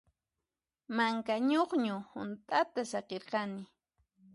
Manka ñuqñu hunt'ata saqirqani.